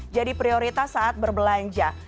jadi prioritas saat berbelanja